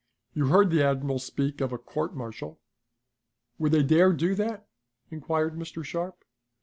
You heard the admiral speak of a court martial." "Would they dare do that?" inquired Mr. Sharp.